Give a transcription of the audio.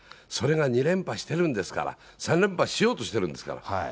それが２連覇してるんですから、３連覇しようとしてるんですから。